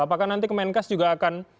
apakah nanti kemenkes juga akan